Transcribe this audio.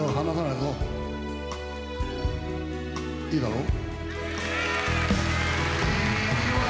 いいだろう？